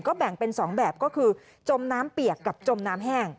แบ่งเป็น๒แบบก็คือจมน้ำเปียกกับจมน้ำแห้ง